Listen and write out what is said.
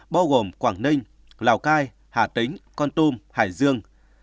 bao gồm quảng ninh lào cai hà tính con tôm hải dương